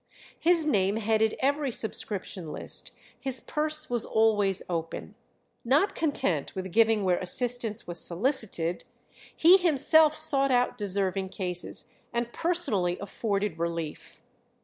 His name headed every subscription list; his purse was always open. Not content with giving where assistance was solicited, he himself sought out deserving cases and personally afforded relief.